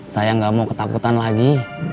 saya nggak mau ketakutan lagi